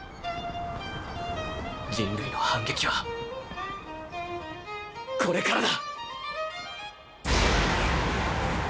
人類の反撃は、これからだ！